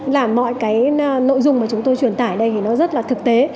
là mọi cái nội dung mà chúng tôi truyền tải đây thì nó rất là thực tế